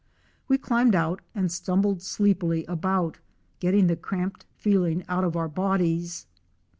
We climbed out and stumbled sleepily about, getting the cramped feeling out of our bodies.